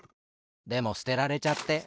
でもすてられちゃって。